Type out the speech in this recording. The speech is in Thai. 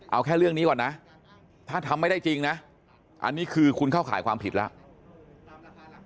เอาแค่เรื่องนี้ก่อนนะถ้าทำไม่ได้จริงนะอันนี้คือคุณเข้าข่ายความผิดแล้ว